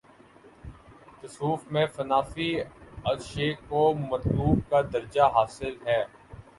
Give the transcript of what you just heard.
تصوف میں فنا فی الشیخ کو مطلوب کا درجہ حا صل ہے۔